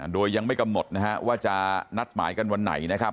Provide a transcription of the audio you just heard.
โดยยังไม่กำหนดนะฮะว่าจะนัดหมายกันวันไหนนะครับ